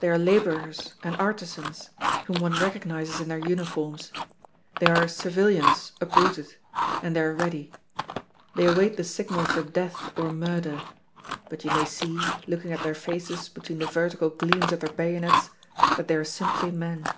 They are laborers and artisans whom one recognizes in their uniforms. They are civilians uprooted, and they are ready. They await the signal for death or murder; but you may see, looking at their faces between the vertical gleams of their bayonets, that they are simply men.